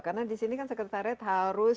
karena disini kan sekretariat harus